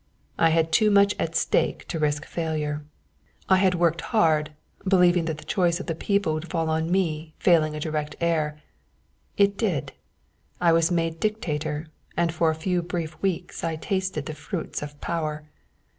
I had too much at stake to risk failure. I had worked hard, believing that the choice of the people would fall on me, failing a direct heir. It did; I was made Dictator, and for a few brief weeks I tasted the fruits of power.